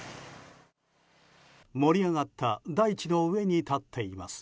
盛り上がった大地の上に建っています。